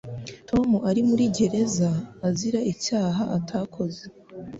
Tom ari muri gereza azira icyaha atakoze.